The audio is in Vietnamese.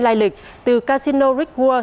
lai lịch từ casino rick war